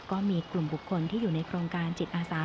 ก็มีกลุ่มบุคคลที่อยู่ในโครงการจิตอาสา